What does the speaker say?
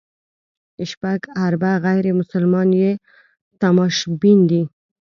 شپږ اربه غیر مسلمان یې تماشبین دي.